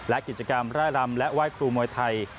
และกิจกรรมร่ายรำและไหว้ครูมวยไทย